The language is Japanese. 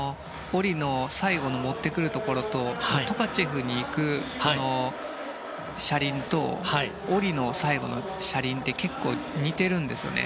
下りの最後の持ってくるところとトカチェフに行く車輪と下りの最後の車輪って結構似てるんですよね。